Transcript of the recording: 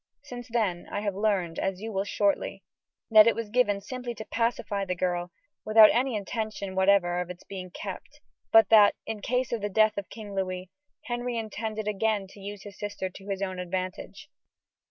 Since then I have learned, as you will shortly, that it was given simply to pacify the girl, and without any intention whatever of its being kept; but that, in case of the death of King Louis, Henry intended again to use his sister to his own advantage.